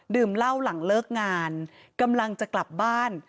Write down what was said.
เหล้าหลังเลิกงานกำลังจะกลับบ้าน